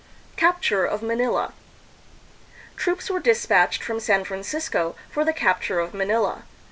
Capture of Manila. Troops were dispatched from San Francisco for the capture of Manila.